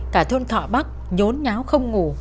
cả thôn thọ bắc nhốn nháo không ngủ